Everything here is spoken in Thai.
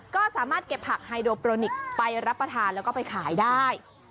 ก็สามารถเก็บผักไฮโดโปรนิกไปรับประทานแล้วก็ไปขายได้